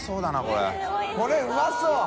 これうまそう。